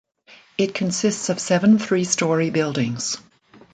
It consists of seven three-story buildings.